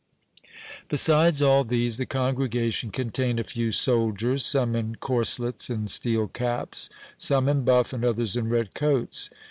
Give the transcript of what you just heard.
Besides all these, the congregation contained a few soldiers, some in corslets and steel caps, some in buff, and others in red coats.